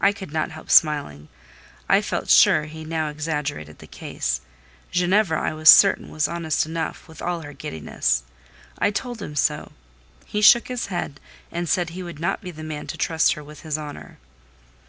I could not help smiling. I felt sure he now exaggerated the case: Ginevra, I was certain, was honest enough, with all her giddiness. I told him so. He shook his head, and said he would not be the man to trust her with his honour.